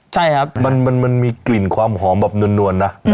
ใช่ครับมันมีกลิ่นความหอมแบบนวลนะ